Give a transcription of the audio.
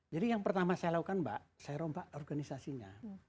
jadi yang pertama saya lakukan mbak saya rombak organisasinya